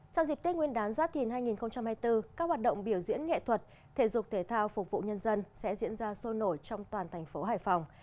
trong dịp tết nguyên đán giáp thìn hai nghìn hai mươi bốn các hoạt động biểu diễn nghệ thuật thể dục thể thao phục vụ nhân dân sẽ diễn ra sôi nổi trong toàn thành phố hải phòng